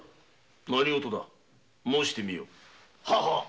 何事だ申してみよ。